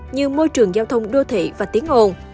như môi trường giao thông đô thị và tiếng ồn